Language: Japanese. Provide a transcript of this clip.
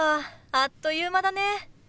あっという間だね。